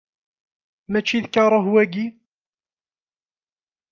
Mačči d karuh, wagi?